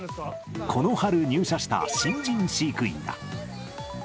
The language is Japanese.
この春入社した新人飼育員だ。